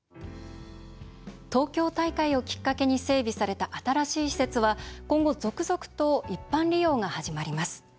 東京大会をきっかけに整備された新しい施設は今後、続々と一般利用が始まります。